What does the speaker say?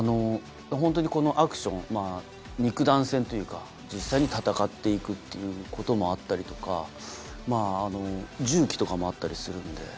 ホントにこのアクション肉弾戦というか実際に戦って行くっていうこともあったりとか銃器とかもあったりするので。